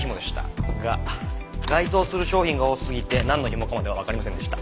が該当する商品が多すぎてなんのひもかまではわかりませんでした。